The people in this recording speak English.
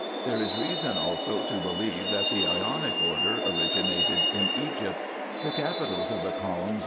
There is reason also to believe, that the Ionic order originated in Egypt. The capitals of the columns IN EGYPT, NUBIA, &c.